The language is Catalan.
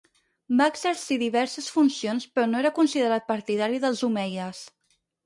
Va exercir diverses funcions però no era considerat partidari dels omeies.